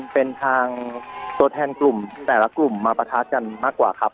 เป็นทางตัวแทนกลุ่มแต่ละกลุ่มมาประทะกันมากกว่าครับ